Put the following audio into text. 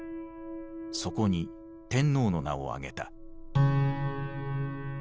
そこに天皇の名を挙げた。